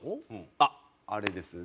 あっあれですね。